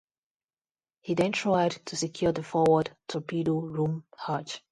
He then tried to secure the forward torpedo room hatch.